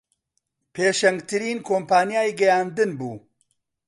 پێشەنگترین کۆمپانیای گەیاندن بوو